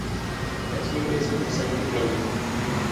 El suelo es un mosaico hidráulico.